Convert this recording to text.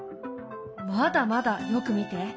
まだまだよく見て。